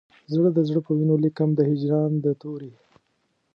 زه د زړه په وینو لیکم د هجران د توري